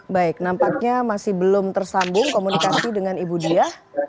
baik nampaknya masih belum tersambung komunikasi dengan ibu dia